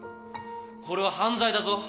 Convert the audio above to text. これは犯罪だぞ。